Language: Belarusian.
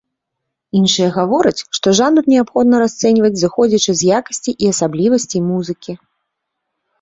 Іншыя гавораць, што жанр неабходна расцэньваць, зыходзячы з якасцей і асаблівасцей музыкі.